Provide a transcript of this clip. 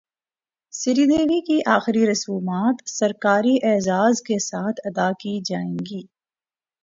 سری دیوی کی اخری رسومات سرکاری اعزاز کے ساتھ ادا کی جائیں گی